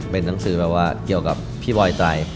เป็นหนังสือแบบว่าเกี่ยวกับพี่บอยใจ